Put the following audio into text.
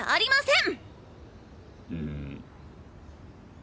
ん。